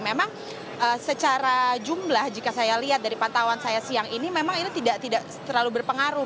memang secara jumlah jika saya lihat dari pantauan saya siang ini memang ini tidak terlalu berpengaruh